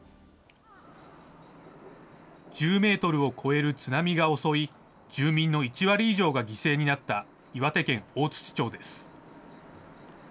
１０メートルを超える津波が襲い、住民の１割以上が犠牲になった岩手県大槌町です。